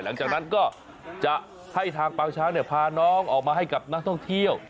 หลังจากนั้นก็จะให้ทางปางช้างพาน้องออกมาให้กับนักท่องเที่ยว